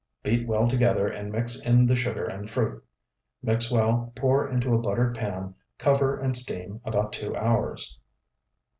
Beat well together, and mix in the sugar and fruit. Mix well, pour into a buttered pan, cover, and steam about two hours.